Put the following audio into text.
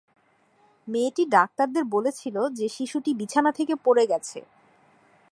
মেয়েটি ডাক্তারদের বলেছিল যে শিশুটি বিছানা থেকে পড়ে গেছে।